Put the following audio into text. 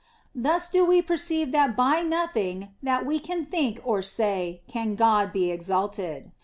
Thus do we perceive that by nothing that we can think or say can God be exalted.